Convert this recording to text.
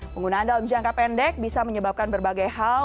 penggunaan dalam jangka pendek bisa menyebabkan berbagai hal